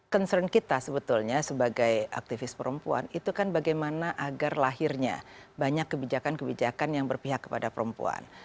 concern kita sebetulnya sebagai aktivis perempuan itu kan bagaimana agar lahirnya banyak kebijakan kebijakan yang berpihak kepada perempuan